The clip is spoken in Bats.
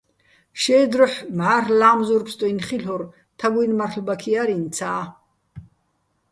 შაჲრ დროჰ̦ მჵა́რლ' ლა́მზურ ფსტუჲნო̆ ხილ'ურ, თაგუ́ჲნი̆ მარლ'ბაქი ჲარ ინცა́.